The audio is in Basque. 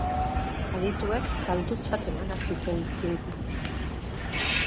Adituek galdutzat emana zuten zinta.